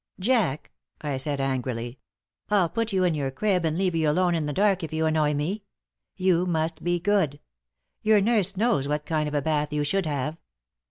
"Jack," I said, angrily, "I'll put you in your crib and leave you alone in the dark if you annoy me. You must be good! Your nurse knows what kind of a bath you should have."